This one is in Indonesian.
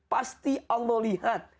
pasti allah lihat